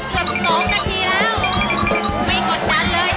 ฟังทองได้แล้วฟังทอง